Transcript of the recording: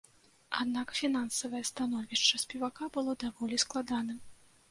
Аднак фінансавае становішча спевака было даволі складаным.